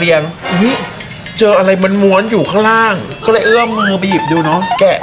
เจออะไรมันม้วนอยู่ข้างล่างก็เลยเอื้อมมือไปหยิบดูน้องแกะ